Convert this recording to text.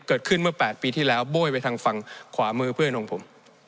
เกิดขึ้นเมื่อ๘ปีที่แล้วโบ้ยไปทางฝั่งขวามือเพื่อนของผม